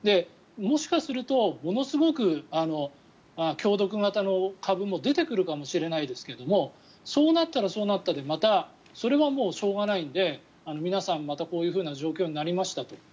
もしかするとものすごく強毒型の株も出てくるかもしれないですけどそうなったら、そうなったでまたそれはもうしょうがないので皆さん、またこういう状況になりましたと。